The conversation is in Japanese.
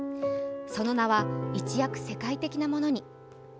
その名は一躍、世界的なものに。